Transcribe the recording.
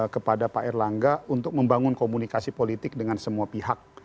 kepada pak erlangga untuk membangun komunikasi politik dengan semua pihak